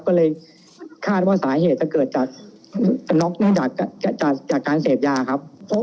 ก็เลยคาดว่าสาเหตุจะเกิดจากน็อกเนื่องจากจากการเสพยาครับ